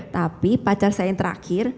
tapi pacar saya yang terakhir